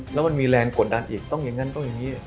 แล้วมันมีแรงกดดันอีกต้องอย่างนั้นต้องอย่างนี้